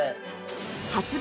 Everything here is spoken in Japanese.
◆発売